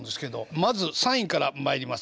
まず３位から参ります。